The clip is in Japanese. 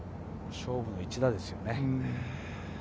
勝負の一打ですよね。